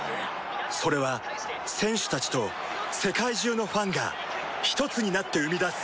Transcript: それは選手たちと世界中のファンがひとつになって生み出す